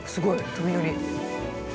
飛び乗り。